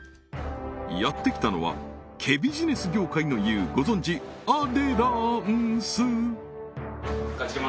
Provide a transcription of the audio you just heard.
やってきたのは毛ビジネス業界の雄ご存じアデランス